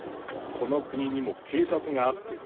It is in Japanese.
この国にも警察があってね。